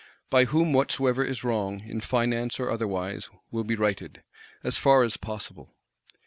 By whom whatsoever is wrong, in Finance or otherwise, will be righted,—as far as possible.